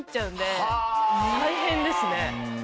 大変ですね。